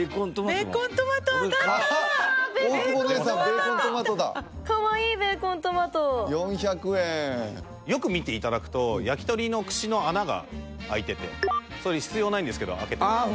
ベーコントマトだかわいいベーコントマト４００円よく見ていただくと焼き鳥の串の穴があいててそれ必要ないんですけどあけていますあっ